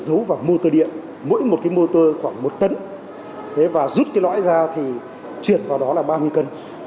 giấu vào motor điện mỗi một cái motor khoảng một tấn và rút cái lõi ra thì chuyển vào đó là ba mươi cân